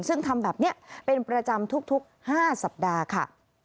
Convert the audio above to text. ซึ่งทำแบบนี้เป็นประจำทุก๕สัปดาห์ค่ะ